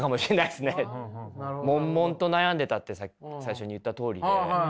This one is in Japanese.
もんもんと悩んでたって最初に言ったとおりで。